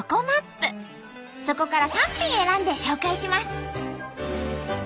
そこから３品選んで紹介します。